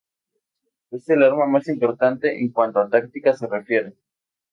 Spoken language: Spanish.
Es el arma más importante en cuanto a táctica se refiere.